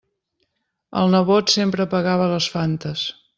El nebot sempre pagava les Fantes.